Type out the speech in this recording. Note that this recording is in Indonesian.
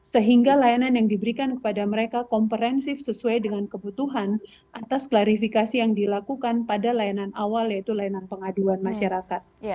sehingga layanan yang diberikan kepada mereka komprehensif sesuai dengan kebutuhan atas klarifikasi yang dilakukan pada layanan awal yaitu layanan pengaduan masyarakat